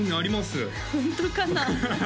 ホントかな？